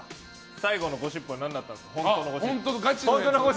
最後の本当のゴシップは何だったんですか。